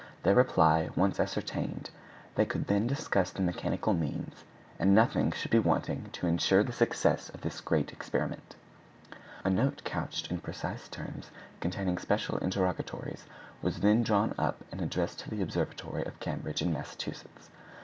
Their reply once ascertained, they could then discuss the mechanical means, and nothing should be wanting to ensure the success of this great experiment. A note couched in precise terms, containing special interrogatories, was then drawn up and addressed to the Observatory of Cambridge in Massachusetts.